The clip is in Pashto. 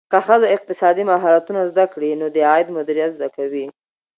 که ښځه اقتصادي مهارتونه زده کړي، نو د عاید مدیریت زده کوي.